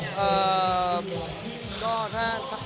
จะมีลูกคู่ข้างในพี่เวีย